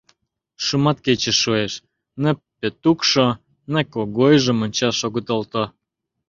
Шуматкече шуэш — ны Пӧтукшо, ны Когойжо мончаш огыт олто.